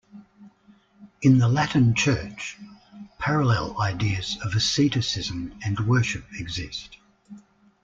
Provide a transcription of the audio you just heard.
In the Latin Church, parallel ideas of asceticism and worship exist.